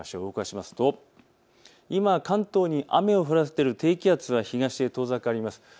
動かしますと今、関東に雨を降らせている低気圧は東へ遠ざかります。